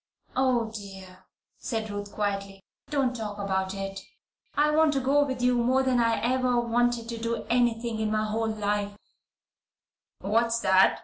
"Ah, dear!" said Ruth, quietly, "don't talk about it. I want to go with you more than I ever wanted to do anything in my whole life " "What's that?"